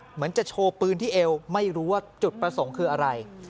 เหมือนจะโชว์ปืนที่เอวไม่รู้ว่าจุดประสงค์คืออะไร